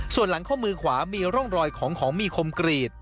ส่วนหลังข้อมือขวามีร่องรอยของของมีคมกรีด